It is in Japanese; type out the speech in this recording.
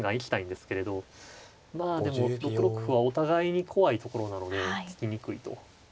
まあでも６六歩はお互いに怖いところなので突きにくいと。